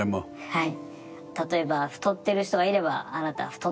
はい。